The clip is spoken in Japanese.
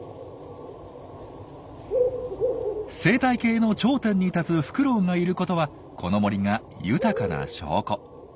生態系の頂点に立つフクロウがいることはこの森が豊かな証拠。